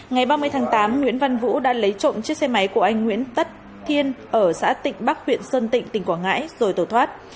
ngày ba mươi tháng tám nguyễn văn vũ đã lấy trộm chiếc xe máy của anh nguyễn tất kiên ở xã tịnh bắc huyện sơn tịnh tỉnh quảng ngãi rồi tổ thoát